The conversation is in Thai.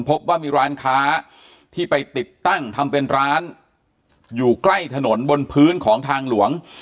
พบว่ามีร้านค้าที่ไปติดตั้งทำเป็นร้านอยู่ใกล้ถนนบนพื้นของทางหลวง